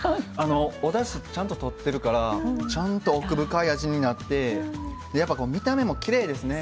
おだしちゃんととってるからちゃんと奥深い味になってやっぱ見た目もきれいですね。